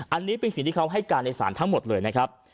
อันนี้เป็นสิ่งที่เขาให้การในศาลทั้งหมดเลยนะครับ